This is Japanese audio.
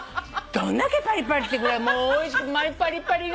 どんだけパリパリってぐらいもうおいしくてパリパリがもう。